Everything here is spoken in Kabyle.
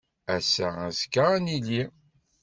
Ass-a azekka ad nili.